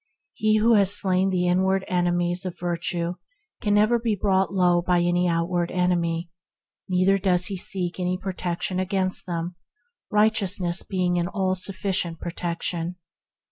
He who has slain the inward enemies of virtue can never be brought low by any outward enemy; neither does he need to seek any protection against them, righteous ness being an all sufficient protection.